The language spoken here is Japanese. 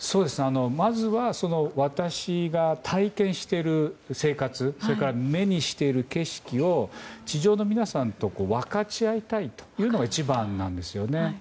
まずは私が体験している生活それから目にしている景色を地上の皆さんと分かち合いたいというのが一番なんですよね。